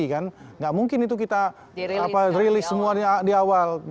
tidak mungkin itu kita rilis semuanya di awal